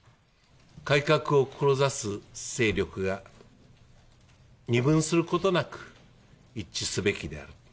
改革を志す勢力が二分することなく一致すべきである。